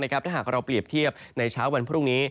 ถ้าหากเราเปรียบเทียบในเช้าวันพรุ่งนี้